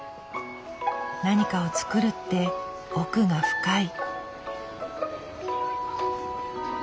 何かを作るって奥が深い。